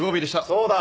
そうだ。